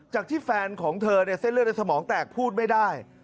จากที่แฟนของเธอเส้นเลือดในสมองแตกพูดไม่ได้